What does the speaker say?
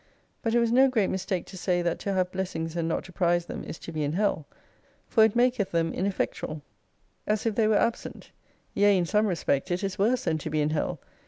But it was no great mis take to say, that to have blessings and not to prize them is to be in Hell. For it maketh them ineffectual, 3a as if they were absent. Yea, In some respect it is worse than to be in Hell.